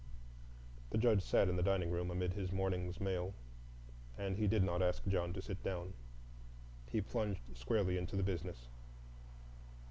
The Judge sat in the dining room amid his morning's mail, and he did not ask John to sit down. He plunged squarely into the business.